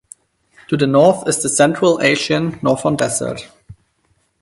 To the north is the Central Asian northern desert.